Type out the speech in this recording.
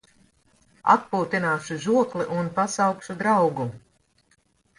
Atpūtināšu žokli un pasaukšu draugu.